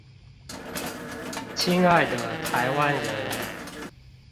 親愛的臺灣人